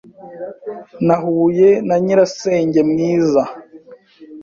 Nahuye na nyirasenge mwiza